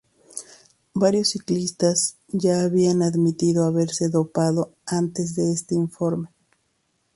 Varios ciclistas ya habían admitido haberse dopado antes de este informe.